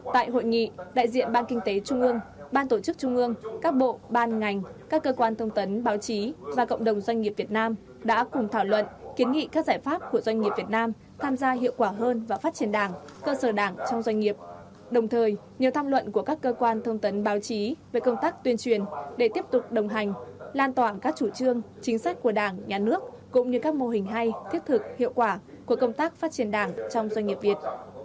tại hội nghị đại diện ban kinh tế trung ương ban tổ chức trung ương các bộ ban ngành các cơ quan thông tấn báo chí và cộng đồng doanh nghiệp việt nam đã cùng thảo luận kiến nghị các giải pháp của doanh nghiệp việt nam tham gia hiệu quả hơn và phát triển đảng cơ sở đảng trong doanh nghiệp đồng thời nhiều tham luận của các cơ quan thông tấn báo chí về công tác tuyên truyền để tiếp tục đồng hành lan tỏa các chủ trương chính sách của đảng nhà nước cũng như các mô hình hay thiết thực hiệu quả của công tác phát triển đảng trong doanh nghiệp việt